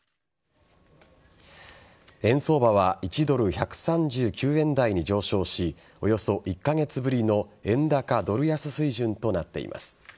円相場は１ドル１３９円台に上昇しおよそ１カ月ぶりの円高ドル安水準となっています。